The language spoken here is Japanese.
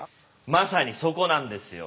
まさにそこなんですよ。